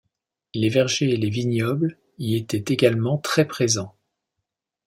Les vergers et les vignobles y étaient également très présents.